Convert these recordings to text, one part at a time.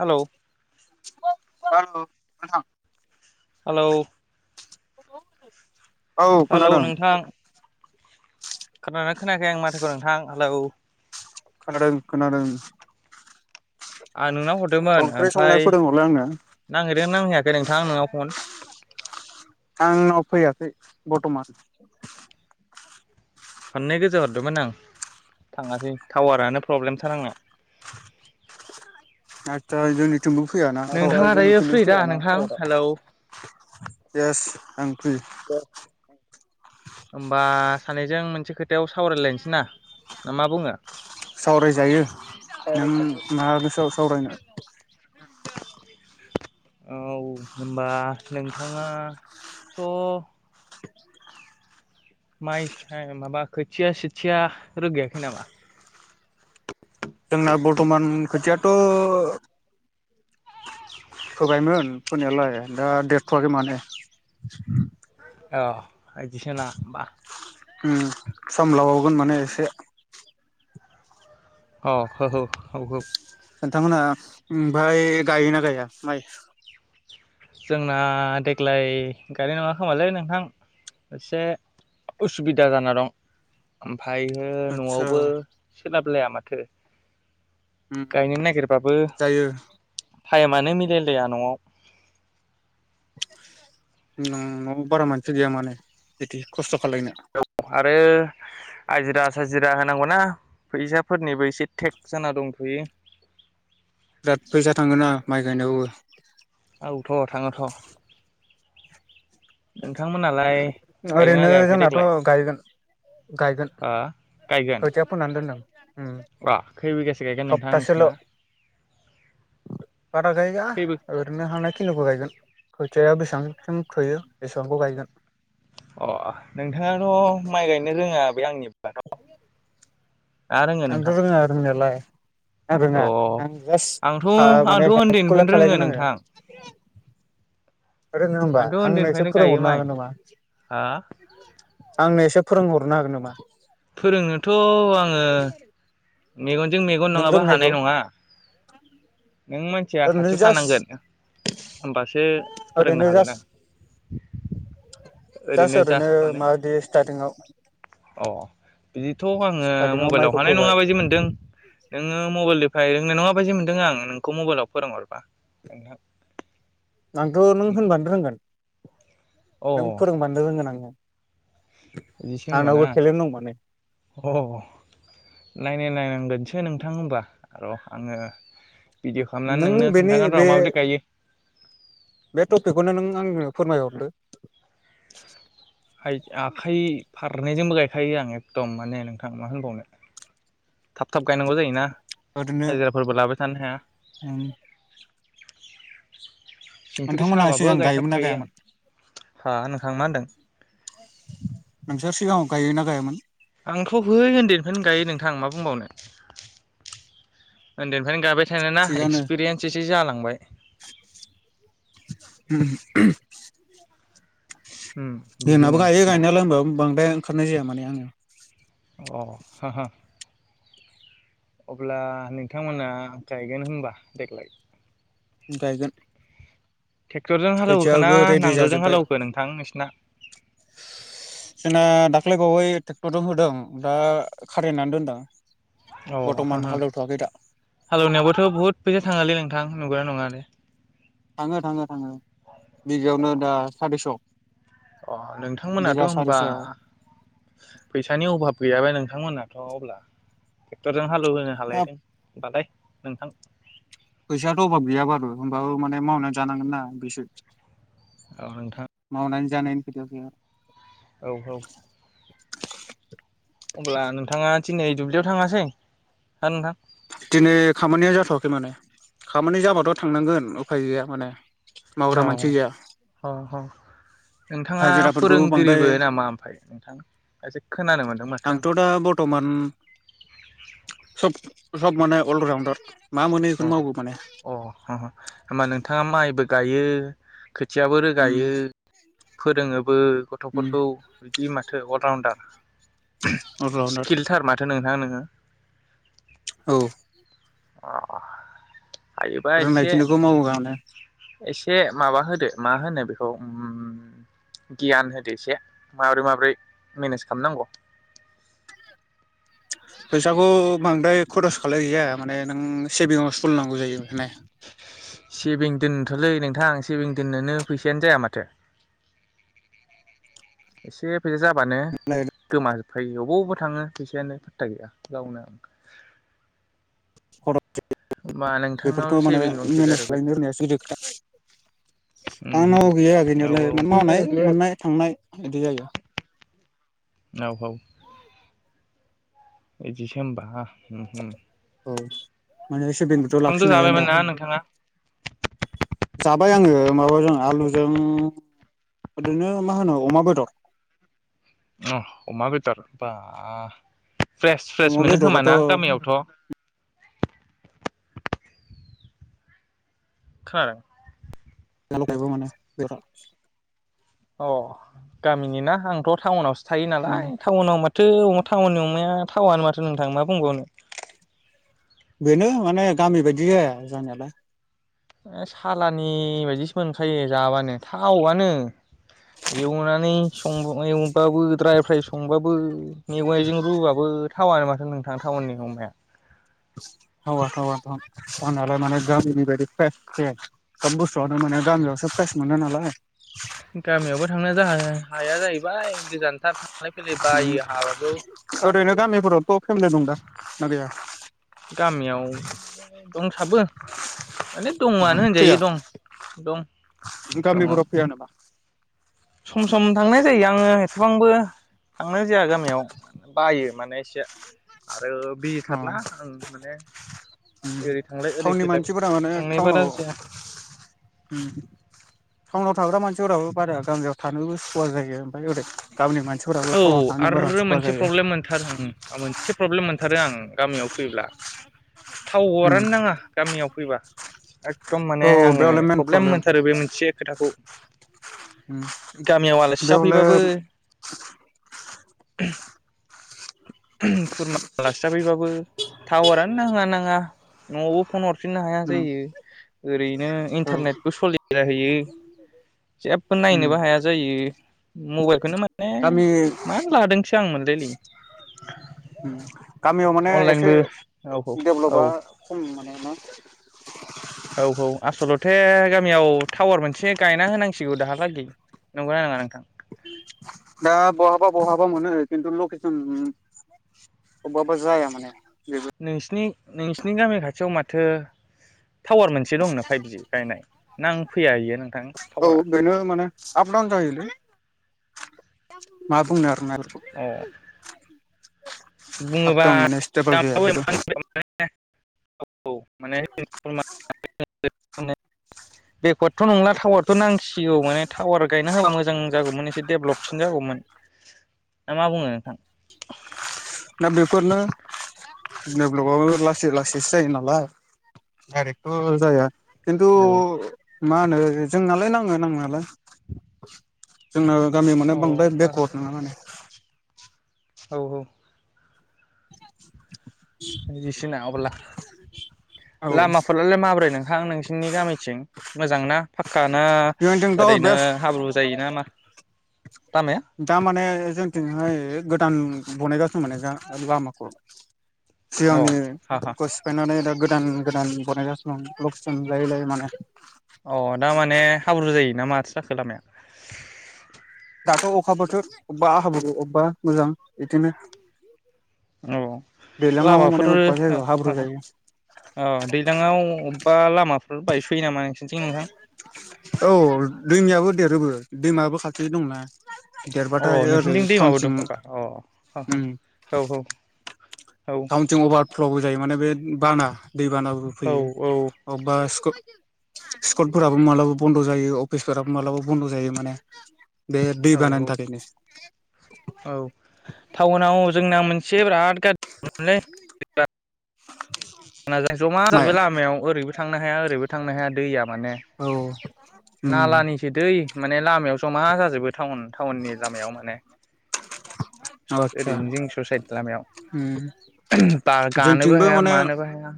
Hello [unintelligible] hello [unintelligible] hello खोनादों नोंथां खोनादोंना खोनायाखै आंनि माथोखौ नोंथां हेलौ खोनादों खोनादों। आं नोंनाव हरदोंमोन ओंख्रि संनाय ओमफ्राय फोरोंहरलाय आंनो नांहिरदोंना नांहैयाखै नोंथां नोंनाव फन? आंनाव फैयाखै बर्थमान। खोननै गोजो हरदोंमोन आं थाङासै टावारानो प्रब्लेमथार आंनिया। आतसा जोंनि नोंथाङा दायो फ्रि दा नोंथां? हेलौ। इएस आं फ्रि। होमबा सानैजों मोनसे खोथायाव सावरायलायनोसै ना मा बुङो? सावरायजायो नों मा गोसोआव सावरायनो। [inaudible] औ होनबा नोंथाङाथ' माइ माबा खोथिया सोथिया रोगायाखै नामा? जोंना बरथ'मान खोथियाथ' फोबायमोन फोनायालाय दा देरथ'वाखै माने अ बिदिसोना बा उम सामलाबावगोन माने एसे अ हो हौ हौ हौ। नोंथांमोनहा ओमफाय गायोना गाया माइ? जोंना देग्लाय गायनाय नङा खोमालै नोंथां एसे उसुबिदा जाना दं। ओम फायहो आदसा न'आवबो सोलाब लाया माथो। उम गायनो नागिरबाबो। जायो टायेमानो मिलायलाया न'आव ओं नफोराव मानसि गैया माने एदिनो खस्थ' खालायनो औ आरो आजिरा साजिरा होनांगौना फैसाफोरनिबो एसे टेक जाना दंथ'यो बिराद फैसा थांगोना माइ गायनायावबो औथ' थाङोथ' नोंथांमोनालाय गायदोंना ओरैनो गायाखै जोंनाथ' देग्लाय गायगोन गायगोन हो गायगोन खोथिया फोनानै दोनदों ओम अ खै बिगासो गायगोन नोंथां सप्तासेल' नोंसिना बारा गाया खै बि जोंहा ओरैनो हांनाय खिनिखौ गायगोन खोथिया बेबांसिम थोयो बेसेबांखौ गायगोन अ नोंथाङाथ' माइ गायनो रोङा बे आंनिबाथ' ना रोङो आंथ' नोंथां रोङा रोंनायालाय आं रोङा अ आं आंथ' जास्ट ओ माने आंथ' हेल्पखौल उन्दैनिफ्रायनो रोङो खालायगोन आङो नोंथां रोङो होमबा आंथ' आंनो एसे उन्दैनिफ्रायनो गायो फोरोंहरनो माइ हागोन नामा हा आंनो एसे फोरोंहरनो हागोन नामा फोरोंनोथ' आङो मेगनजों मेगन नों नङाबा रोंनायखौ हानाय नङा नों मानसिया ओरैनो खाथियाव जास्ट थानांगोन होमबासो फोरोंनो ओरैनो हागोन जास्ट आं जास्ट ओरैनो जास माने माबायदि स्टार्टिंआव अ बिदिथ' आङो स्टार्टिंआव मबाइलाव माइखौ हानाय फोबाय नङाबायदि जों नोङो मबाइलदो ओमफ्राय रोंनाय नङा बायदि मोनदों आं नोंखौ मबाइलाव फोरोंहरबा आंथ' नों होनबासो रोंगोन अ नों फोरोंबानो रोंगोन आं बिदिसो होमबा ना टेलेन्ट दं माने अ नायनाय नायनांगोन बिदिसो नोंथां होनबा र' आङो भिडिअ' खालामनानै नों नोंनो बेनि खोन्थागोन बे र' माबोरै गायो बे टपिकखौनो नों आंनो फोरमायहर थोथ हाय आखाइ फारनैजोंबो गायखायो आं एखदम माने नोंथां मा होनबावनो थाब थाब गायनांगौ जायोना ओरैनो हाजिराफोरबो लाबाय थानो हाया उम संख्रिनि नोंथांमोनहा साहाबाबो सिगां गायोमोन ना गायथाबखायो गायामोन आं हा नोंथां मा होनदों नों सिगाङाव गायोना गायामोन आंथ' बै उन्दैनिफ्रायनो गायो नोंथां मा बुंबावनो उन्दैनिफ्रायनो गायबाय थानायना थिगानो एक्सपिरियेन्स एसे दि जालांबाय। [unintelligible] उम जोंनाबो बिदिनो गायो होमबा गायनायालाय होनबो बांद्राय ओंखारनाय जाया माने आङो। अ हो हो। अब्ला नोंथांमोना गायगोन होनबा देग्लाय? ओं गायगोन। ट्रेक्टरजों हालेवखो ना खोथियाबो रेडि नांगोलजों जाजोबबाय। हालेवखो नोंथां नोंसिना जोंना दाख्लै बावै नदम होदों दा खारेनानै दोनदों। औ हा बर्थमान हा। हालेवथ'वाखै दा हाल एवनायावबोथ' बहुद फैसा थाङोलै नोंथां? नंगौना नङा दे? थाङो थाङो थाङो। बिगायावनो दा सारिस'। अ नोंथांमोनाथ' बिगा होनबा सारिस' फैसानि अभाब गैयाबे नोंथांमोनाथ' अब्ला। जों हालएवहोनो होनोनो हाब हालायदों बालाय। नोंथां। फैसायाथ' अभाब गैया बारु होमबाबो माने मावनानै जानांगोन ना बिसो। औ नोंथां। मावनानै जानायनि खोथायावसो। औ औ। अब्ला नोंथाङा दिनै दुब्लियाव थाङासै हा नोंथां? दिनै खामानिया जाथ'वाखै माने खामानि जाबाथ' थांनांगोन उफाय गैया माने। औ मावग्रा मानसि गैया अ ह नोंथाङा हाजिराफोरखौबो बांद्राय फोरोंगिरिबो नामा ओमफाय नोंथां एसे खोनानो मोनदों माथो आं? आंथ' दा बर्थ'मान सब सब माने अल राउण्डार। औ अ ह ह होमबा नोंथाङा माइबो गायो खोथियाबो उम रोगायो फोरोङोबो उम गथ'फोरखौ बिदि होमबा? थो अलराउण्डार। अलराउन्डार स्किलथार माथो नोंथाङां नों ओ। औ। अ। हायोबा एसे रोंनायखिनिखौ मावोगा माने एसे माबा होदो मा होनो बेखौ ओम गियान होदो एसे माब्रै माब्रै मेनेज खामनांग। फैसाखौ बांद्राय खरस खालाय जाया माने नों सेभिंआव सलिनांगौ जायो माने। सेभिं दोननोथलै नोंथां सेभिं दोननोनो फैसायानो जाया माथो एसेब फैसा जाबानो गोमाजोबफायो ओबाव ओ थाङो फैसायानो फाता गैया गावनो आं होमबा [unintelligible] नोंथांनाव बेफोरखौ माने सेभिं मेनेज दंसोगारो बे खालामनो रोंनायासो गिदिर उम खोथा उम आंनाव गैया औ गैनायालाय माने मावनाय नोंथां मोननाय थांनाय इदि जायो। औ औ इदिसो होमबा उम उम औ [unintelligible] सेभिंबोथ' ओंखामथ' लाखिनो हाया दा जाबायमोन ना नोंथाङा जाबाय आङो माबाजों आलुजों इदिनो मा होनो अमा बेदर अ अमा बेदर बा फ्रेस फ्रेस अमा मोनो बेदराथ' खोमाना गामियावथ' खार [unintelligible] अ गामिनि ना आंथ' टाउनावसो थायो उम नालाय टाउनाव माथो माथो अ टाउननि अमाया थावानो माथो नोंथां मा बुंबावनो? बेनो माने गामि बायदि जाया जानायालाय ए सालानि बायदिसो मोनखायो जाबानो थावआनो एवनानै सं एवबाबो द्राय फ्राय संबाबो मेवाइजों रुबाबो टावानो माथो नोंथां टाउननि अमाया थावा थावा थावनायालाय माने गामिनि बायदि प्रेइस सोब बुस्थुआनो माने गामियावसो प्रेइस मोनो नालाय गामियावबो थांनो जा हाया जाहैबाय गोजानथार। थांलाय फैलाय उम बायो हाबाबो हाबाबो सोमोन्दो दंदा ना गैया गामियाव दंसाबो माने ओ दङआनो होनजायो फैया दं दं दङ। गामिफोराव फैया नामा सम सम थांनाय जायो आङो एथबांबो थांनाय जाया गामियाव बायो माने एसे आरो अ बिजिथारना आं माने उम ओरै थांलाय ओरै टाउननि फैलाइ मानसिफोरा माने थांनाय टाउनाव बारा जाया। उम टाउनाव थाग्रा मानसिफोराबो बारा गामियाव थानोबो सुवा जायो ओमफ्राय ओरै गामिनि मान औ आरो मोनसे प्रब्लेम मोनथार मोनसे प्रब्लेम मोन थारो आं गामियाव फैब्ला उम थावरानो नाङा गामियाव फैबा एखदम माने औ आङो बेयावलाय मेन प्रब्लेम मोनथारो बे मोनसे खोथाखौ उम गामियाव आलासि जाफैबाबो बेयावलाय [inaudible] खुरमा आलासि जानायबाबो टावारानो नाङा नाङा न'आवबो फन हर फिननो हाया उम जायो ओरैनो औ इन्टारनेटबो सलि जाहैयो जेबो उम नायनोबो हाया जायो मबाइलखौनो माने गामि मानो लादोंसो [unintelligible] गामियाव माने एसे अनलाइनबो औ औ डेभलपा खम माने [unintelligible] औ औ आसलथे गामियाव टावार मोनसे गायना होनांसिगौ दाहालागै नंगौना नङा नोंथां दा बहाबा बहाबा मोनो खिन्थु लकेसन अबावबा जाया माने बेबो नोंसिनि नोंसिनि गामि खाथियाव माथो टावार मोनसे दंनो फाइभजि गायनाय नांफैया इयो नोंथां टावारा औ बेनो माने आप डाउन जायोलै मा बुंनो आरोना अ [inaudible] बुङोबा आपडाउन माने स्टेबोल गैया [unintelligible] औ माने [unintelligible] [unintelligible] बेकवार्डथ' नंला टावारथ' नांसिगौ माने टावार गायना होबा मोजां जागौमोन एसे डेभलपसिन जागौमोन ना मा बुङो नोंथां दा बेफोरनो देभलबआबो लासै लासैसो जायो नालाय डाइरेक्थ' जाया खिनथु औ मा होनो जोंनालाय नाङो नांनायलाय [inaudible] जोंना गामिया माने हो बांद्राय हो बेकवार्ड नङा माने औ औ इजिसिन अब्ला औ लामाफोरालाय माब्रै नोंथां नोंसिनि गामिथिं मोजां ना फक्का ना जोंथिंथ' ओरैनो बेस्ट हाब्रु जायो ना मा लामाया दा माने जोंथिंहाय गोदान बनायगासिनो दं माने जा लामाखौ औ हा हा सिगांनिखौ सिफायनानै दा गोदान गोदान बनायगासिनो दं लकेसन लायै लायै माने अ दा माने हाब्रु जायो ना माथो जाखो लामाया? दाथ' अखा बोथोर अबबा हाब्रु अबबा मोजां इदिनो औ। लामाफोरो ओ जायगायाव हाब्रु हो हो जायो ओ दैज्लांआव अबबा लामा ओ बायस औ दैमायाबो देरोबो। दैमाबो खाथि दंना। अ देरबाथाय ओरै नोंसिनिथिं दैमाबो टाउनथिं दं होमबा अ ह ह उम औ औ। टाउनथिं अभारफ्लबो जायो माने बे बाना दैबानाबो औ फैयो अबबा स्कु स्कुलफोराबो मालाबा बन्द' जायो अफिसफोराबो मालाबा बन्द' जायो माने बे दै औ बानायनि थाखायनो। औ टाउनाव जोंना मोनसे से बेराद [unintelligible] [unintelligible] ज'मा जाजोबो माया लामायाव ओरैबो थांनो हाया ओरैबो थांनो हाया दैया माने औ उम नालानिसो दै माने लामायाव ज'मा जाजोबो टाउन टाउननि लामायाव माने। आतसा ओरैनो जोंनि ससाइटिनि लामायाव उम बा गानोबो जोंथिंबो हाया मानोबो हा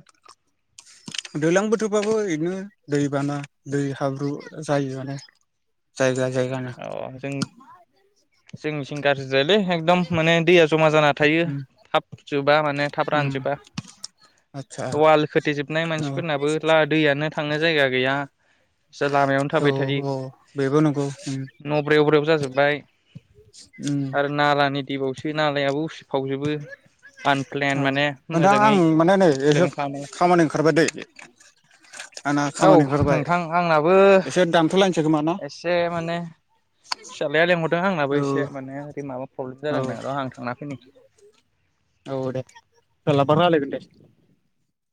दैलां बोथोरबाबो इदिनो दै बाना दै हाब्रु जायो माने जाय जाय औ जों जोंनि सिं गारजि जायोलै हेगदम माने दैआ ज'मा जाना थायो थाब जोबा माने थाब रानजोबा आदसा वाल खोथेेजोबनाय औ मानसिफोरनाबो दैयानो थांनो जायगा गैया लामायावनो औ थाबाय थायो। औ बेबो नंगौ उम न' ब्रेव ब्रेव जाजोब्बाय उम आरो नालानि दैबाव सो नालायाबो उसि फावजोबो आनप्लेन औ माने नोंथां मोजाङै आं माने नै एसे प्लेन खालामालासिनो। खामानि ओंखारबाय दै आंना औ खामानि ओंखारबाय नोंथां आंनाबो एसे दानथ'लायनोसै खोमा ना एसे माने फिसालाया लेंहरदों आंनाबो औ एसे माने ओरै माबा प्रब्लेम औ जादोंनो र' आं थांना फैनि। औ दे सोलाबबा रायलायगोन दे।